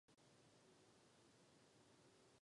Správním městem okresu je Palo Pinto.